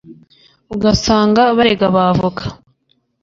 ugasanga barega abavoka